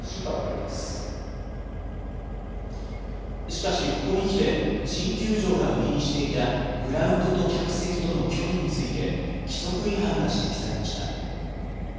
しかし、ここにきて、新球場が売りにしていたグラウンドと客席との距離について、規則違反が指摘されました。